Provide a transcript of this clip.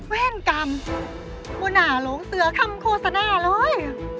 แว่นกรรมหัวหน้าหลงเสือคำโฆษณาเลย